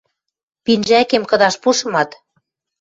Пинжӓкем кыдаш пушымат: